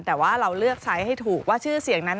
แต่ว่าเราเลือกใช้ให้ถูกว่าชื่อเสียงนั้น